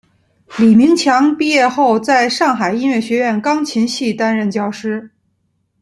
李名强毕业后在上海音乐学院钢琴系担任教师。